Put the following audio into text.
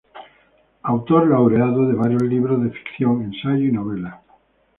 Autor laureado de varios libros de ficción, ensayo y novela.